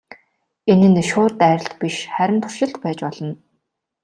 Энэ нь шууд дайралт биш харин туршилт байж болно.